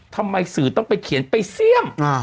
ทำไมสื่อต้องไปเขียนไปเสี่ยม